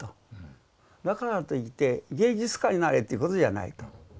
だからといって芸術家になれということじゃないと。